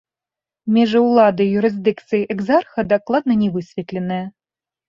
Межы ўлады і юрысдыкцыі экзарха дакладна не высветленыя.